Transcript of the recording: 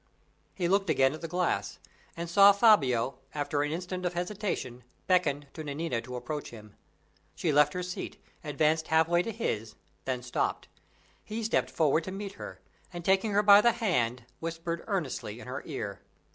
He looked again at the glass, and saw Fabio, after an instant of hesitation, beckon to Nanina to approach him. She left her seat, advanced half way to his, then stopped. He stepped forward to meet her, and, taking her by the hand, whispered earnestly in her ear.